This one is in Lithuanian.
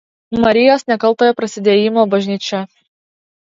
Marijos Nekaltojo Prasidėjimo bažnyčia.